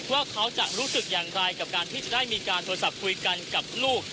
ว่าเขาจะรู้สึกอย่างไรกับการที่จะได้มีการโทรศัพท์คุยกันกับลูก